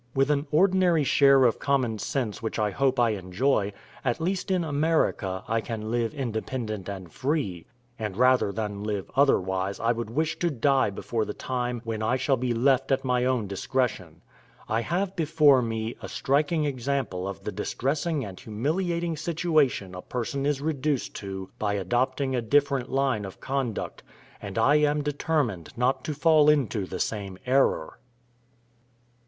With an ordinary share of Common sense which I hope I enjoy, at least in America I can live independent and free; and rather than live otherwise I would wish to die before the time when I shall be left at my own discretion. I have before me a striking example of the distressing and humiliating situation a person is reduced to by adopting a different line of conduct, and I am determined not to fall into the same error.